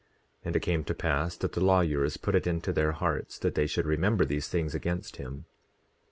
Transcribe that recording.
10:30 And it came to pass that the lawyers put it into their hearts that they should remember these things against him.